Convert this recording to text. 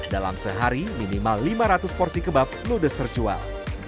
dalam sehari minimal lima ratus porsi kebab ludes terjual